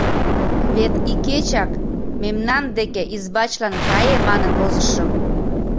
— Вет икечак, мемнан деке избачлан кае манын, возышым.